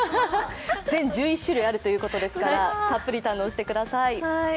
全１１種類あるということですからたっぷり堪能してください。